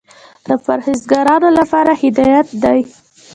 د پرهېزګارانو لپاره هدایت دى.